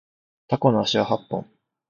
タコの足は八本